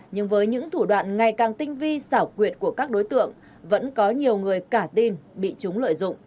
nhưng với những thủ đoạn ngày càng tinh vi xảo quyệt của các đối tượng vẫn có nhiều người cả tin bị chúng lợi dụng